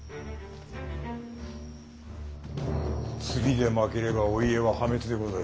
次で負ければお家は破滅でござる。